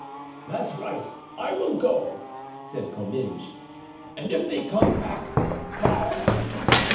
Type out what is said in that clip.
"That's right. I will go," said Comminges; "and if they come back, fire!"